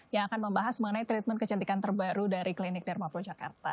yang akan membahas mengenai treatment kecantikan terbaru dari klinik dharma pur jakarta